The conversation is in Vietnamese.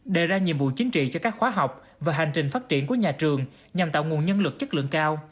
đề ra nhiệm vụ chính trị cho các khóa học và hành trình phát triển của nhà trường nhằm tạo nguồn nhân lực chất lượng cao